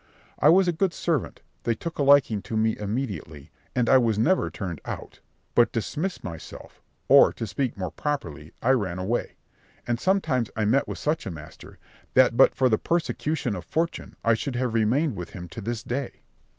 I was a good servant: they took a liking to me immediately; and I was never turned out, but dismissed myself, or, to speak more properly, I ran away; and sometimes I met with such a master, that but for the persecution of fortune I should have remained with him to this day.